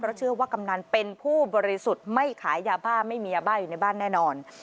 เพราะเชื่อว่ากำนันเป็นผู้บริสุทธิ์ไม่ขายยาบ้าไม่มียาบ้าอยู่ในบ้านแน่นอน